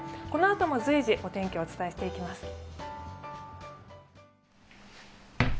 このあとも随時、お天気をお伝えしていきます。